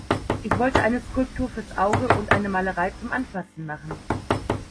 Ich wollte eine Skulptur fürs Auge und eine Malerei zum Anfassen machen“.